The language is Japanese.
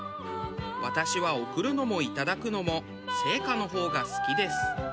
私は贈るのもいただくのも生花の方が好きです。